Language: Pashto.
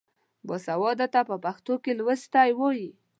باسواده ته په پښتو کې لوستی وايي.